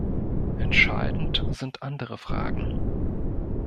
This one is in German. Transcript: Entscheidend sind andere Fragen.